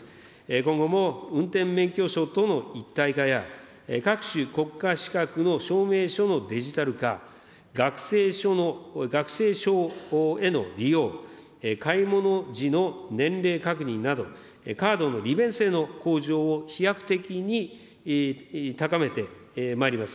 今後も運転免許証との一体化や、各種国家資格の証明書のデジタル化、学生証への利用、買い物時の年齢確認など、カードの利便性の向上を飛躍的に高めてまいります。